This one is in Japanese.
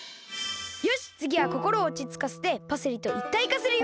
よしつぎはこころをおちつかせてパセリといったいかするよ！